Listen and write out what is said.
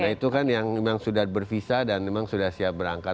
nah itu kan yang sudah bervisa dan memang sudah siap berangkat